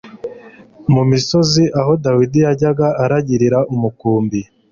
Mu misozi aho Dawidi yajyaga aragirira umukumbi,